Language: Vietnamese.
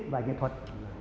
và nghệ thuật